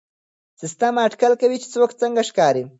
سیسټم اټکل کوي چې څوک څنګه ښکاري.